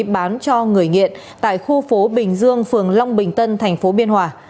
bán cho người nghiện tại khu phố bình dương phường long bình tân thành phố biên hòa